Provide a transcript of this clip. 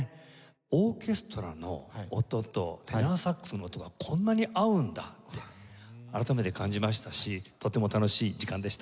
オーケストラの音とテナーサックスの音がこんなに合うんだって改めて感じましたしとても楽しい時間でした。